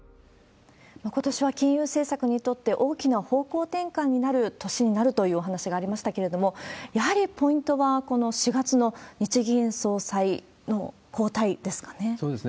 ことしは金融政策にとって大きな方向転換になる年になるというお話がありましたけれども、やはりポイントは、この４月の日銀総裁の交代ですかね。